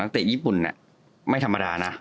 นักเตะญี่ปุ่นเนี่ยไม่ธรรมดานะ